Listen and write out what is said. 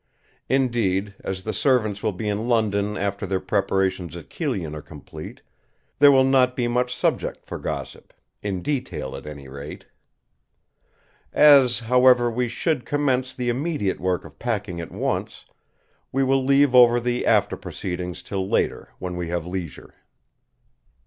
Indeed, as the servants will be in London after their preparations at Kyllion are complete, there will not be much subject for gossip, in detail at any rate. "As, however, we should commence the immediate work of packing at once, we will leave over the after proceedings till later when we have leisure."